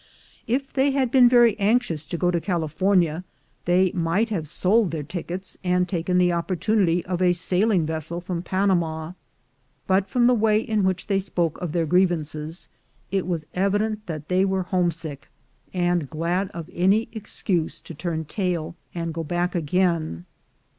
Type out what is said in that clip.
If they had been very anxious to go to California, they might have sold their tickets, and taken the opportunity of a sailing vessel from Panama ; ON TO CALIFORNIA 33 but from the way in which they spoke of their griev ances, i*: was evident that they were home sick, and glad of any excuse to turn tail and go back again.